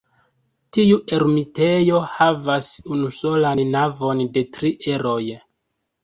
Tiu ermitejo havas unusolan navon de tri eroj.